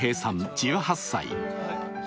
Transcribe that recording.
１８歳。